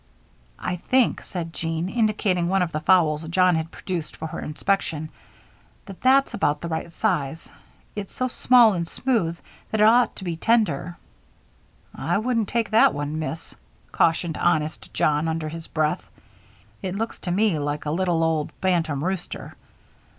"I think," said Jean, indicating one of the fowls John had produced for her inspection, "that that's about the right size. It's so small and smooth that it ought to be tender." "I wouldn't take that one, Miss," cautioned honest John, under his breath, "it looks to me like a little old bantam rooster.